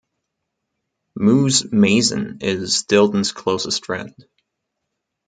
Moose Mason is Dilton's closest friend.